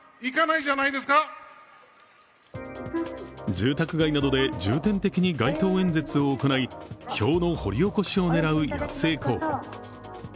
住宅街などで重点的に街頭演説を行い、票の掘り起こしを狙う安江候補。